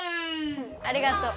ありがとう。